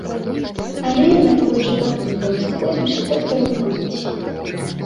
Але, мяркуючы па тым, дзе мы знаходзімся, так павінна быць.